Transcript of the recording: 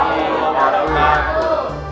waalaikumsalam warahmatullahi wabarakatuh